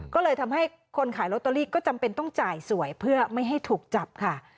ก็เลยทำให้คนขายลอตเตอรี่ก็จำเป็นต้องจ่ายสวยเพื่อไม่ให้ถูกจับค่ะ